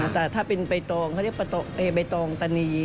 แต่ถ้าเป็นใบตองเขาเรียกใบตองตานี